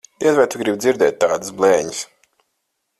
Diez vai tu gribi dzirdēt tādas blēņas.